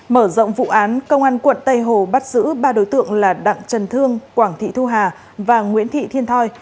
mở rộng vụ án công an quận tây hồ bắt giữ ba đối tượng là đặng trần thương quảng thị thu hà và nguyễn thị thiên thoi